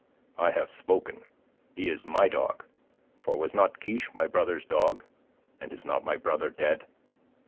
I have spoken. He is my dog. For was not Kiche my brother's dog? And is not my brother dead?"